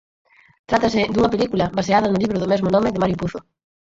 Trátase dunha película baseada no libro do mesmo nome de Mario Puzo.